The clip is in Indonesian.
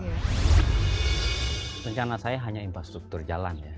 rencana saya hanya infrastruktur jalan ya